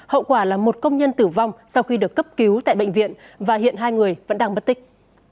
hậu quả là một công nhân tử vong sau khi được cấp cứu tại bệnh viện và hiện hai người vẫn đang bất tích